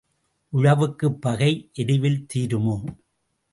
உழவுக்குப் பகை எருவில் தீருமோ?